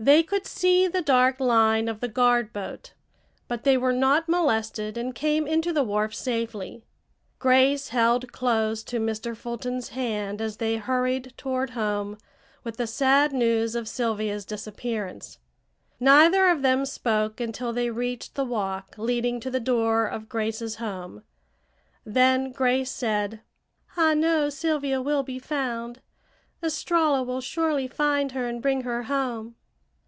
They could see the dark line of the guard boat, but they were not molested and came into the wharf safely. Grace held close to Mr. Fulton's hand as they hurried toward home with the sad news of Sylvia's disappearance. Neither of them spoke until they reached the walk leading to the door of Grace's home, then Grace said: "I know Sylvia will be found. Estralla will surely find her and bring her home."